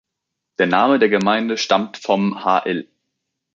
Der Name der Gemeinde stammt vom hl.